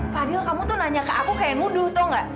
fadil kamu tuh nanya ke aku kayak nuduh tuh gak